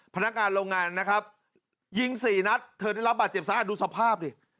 พนักงานโรงงานนะครับยิงสี่นัดเธอได้รับบาดเจ็บสาหัสดูสภาพดิ